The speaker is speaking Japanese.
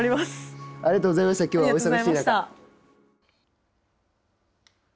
ありがとうございました、きょうはお忙しい中。